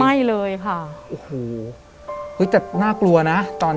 แต่ขอให้เรียนจบปริญญาตรีก่อน